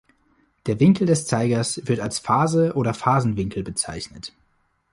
Der Winkel des Zeigers wird als Phase oder Phasenwinkel bezeichnet.